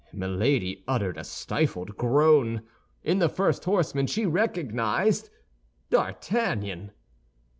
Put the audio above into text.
Milady uttered a stifled groan. In the first horseman she recognized D'Artagnan.